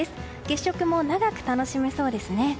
月食も長く楽しめそうですね。